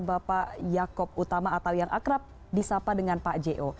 bapak yaakob utama atau yang akrab disapa dengan pak jho